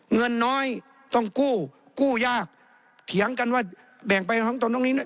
เงินน้อยต้องกู้กู้ยากเถียงกันว่าแบ่งไปของตนตรงนี้นะ